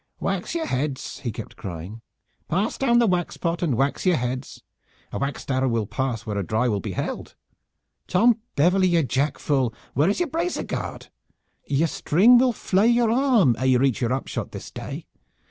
"Wax your heads!" he kept crying. "Pass down the wax pot and wax your heads. A waxed arrow will pass where a dry will be held. Tom Beverley, you jack fool! where is your bracer guard? Your string will flay your arm ere you reach your up shot this day.